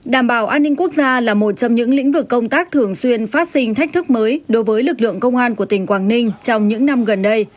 đảm bảo an ninh quốc gia là một trong những lĩnh vực công tác thường xuyên phát sinh thách thức mới đối với lực lượng công an của tỉnh quảng ninh trong những năm gần đây